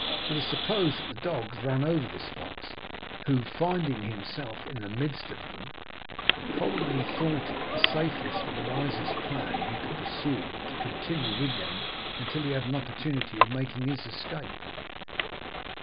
It is supposed that the dogs ran over this fox, who, finding himself in the midst of them, probably thought it the safest and wisest plan he could pursue to continue with them till he had an opportunity of making his escape.